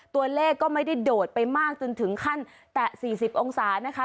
ตัวเลขก็ไม่ได้โดดไปมากจนถึงขั้นแตะ๔๐องศานะคะ